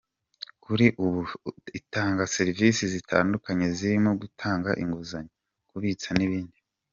Kuri ubu, itanga serivisi zitandukanye zirimo gutanga inguzanyo, kubitsa n’ibindi.